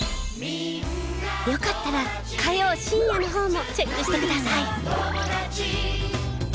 よかったら火曜深夜の方もチェックしてください。